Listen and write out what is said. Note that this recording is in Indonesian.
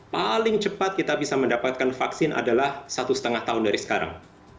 paling cepat kita bisa mendapatkan vaksin adalah satu setengah tahun dari sekarang